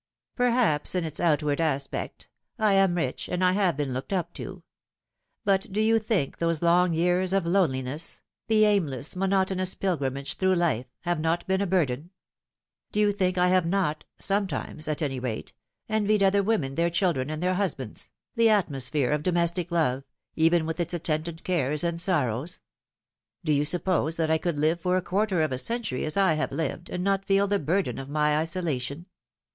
" Perhaps, in its outward aspect. I am rich, and I have been looked up to. But do you think those long years of loneliness the aimless, monotonous pilgrimage through life have not been a burden ? Do you think I have not sometimes, at any rate envied other women their children and their husbands the atmosphere of domestic love, even with its attendant cares and sorrows ? Do you suppose that I could live for a quarter of a century as I have lived, and not feel the burden of my isolation